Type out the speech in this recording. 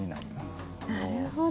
なるほど。